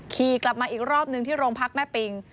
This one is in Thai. ขี่กลับมาอีกรอบนึงที่โรงพักแม่ปิง